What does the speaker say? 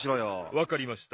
わかりました。